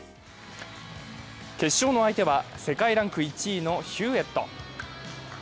決勝の相手は世界ランク１位のヒューエット。